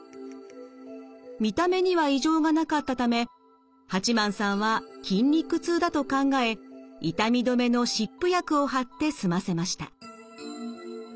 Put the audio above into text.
見た目には異常がなかったため八幡さんは筋肉痛だと考え痛み止めの湿布薬を貼って済ませました。